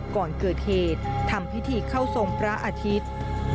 ก่อนเกิดเหตุทำพิธีเข้าทรงพระอาทิตย์